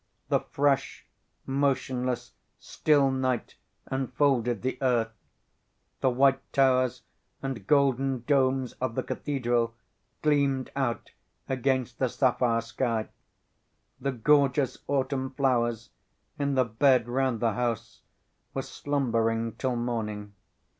The fresh, motionless, still night enfolded the earth. The white towers and golden domes of the cathedral gleamed out against the sapphire sky. The gorgeous autumn flowers, in the beds round the house, were slumbering till morning.